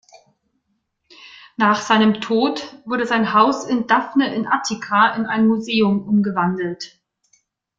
Nach seinem Tod wurde sein Haus in Daphne in Attika in ein Museum umgewandelt.